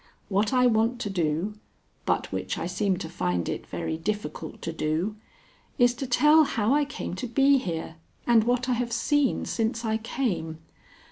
What I want to do, but which I seem to find it very difficult to do, is to tell how I came to be here, and what I have seen since I came.